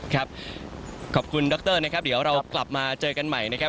ครับขอบคุณดรนะครับเดี๋ยวเรากลับมาเจอกันใหม่นะครับ